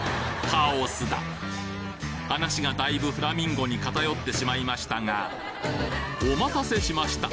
カオスだ話がだいぶフラミンゴにかたよってしまいましたがお待たせしました！